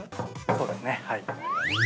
◆そうですね、はい。